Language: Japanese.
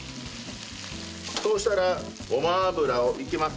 そうしたらごま油をいきますよ。